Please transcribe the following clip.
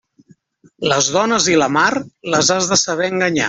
Les dones i la mar, les has de saber enganyar.